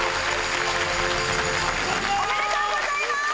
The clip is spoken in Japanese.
おめでとうございます。